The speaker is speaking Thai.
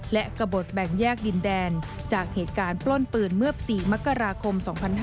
และกระบดแบ่งแยกดินแดนจากเหตุการณ์ปล้นปืนเมื่อ๔มกราคม๒๕๕๙